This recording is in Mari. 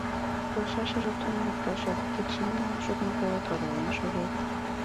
Полшашыже тунарак полшет, кеч имньылан шудым пуэт, оролен шогет.